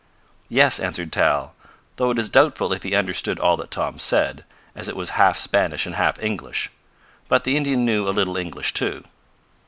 "Yes," answered Tal, though it is doubtful if he understood all that Tom said, as it was half Spanish and half English. But the Indian knew a little English, too.